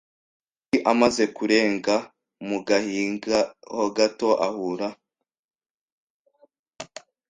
Dawidi amaze kurenga mu gahinga ho gato ahura